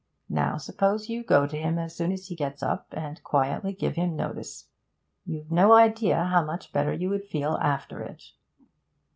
Now, suppose you go to him as soon as he gets up, and quietly give him notice. You've no idea how much better you would feel after it.'